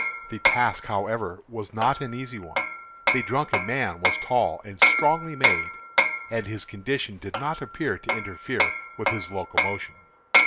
The task, however, was not an easy one. The drunken man was tall and strongly made, and his condition did not appear to interfere with his locomotion.